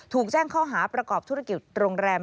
ถูกแจ้งข้อหาประกอบธุรกิจโรงแรม